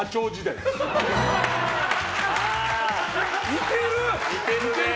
似てる！